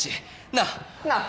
なあ？なあ？